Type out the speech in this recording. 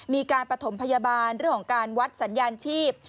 มีการประถมพยาบาลเรื่องของการวัดสัญญาณชีพ